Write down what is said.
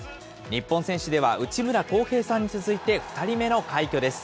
日本選手では内村航平さんに続いて２人目の快挙です。